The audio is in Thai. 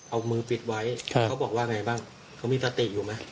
เอามือปิดไว้เขาบอกว่าไงบ้างเขามีสติอยู่ไหม